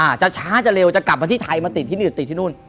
อาจจะช้าจะเร็วจะกลับมาที่ไทยมาติดที่นี่ติดที่นู่น